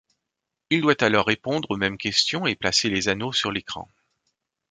Il doit alors répondre aux mêmes questions et placer les anneaux sur l’écran.